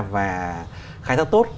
và khai thác tốt